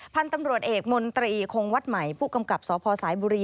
พันธุ์ตำรวจเอกมนตรีคงวัดใหม่ผู้กำกับสพสายบุรี